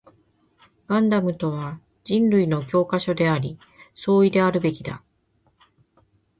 ガンダムとは人類の教科書であり、総意であるべきだ